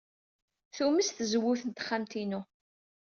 Tumes tzewwut n texxamt-inu.